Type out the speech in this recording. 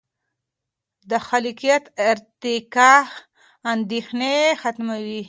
د خلاقیت ارتقا اندیښنې ختموي.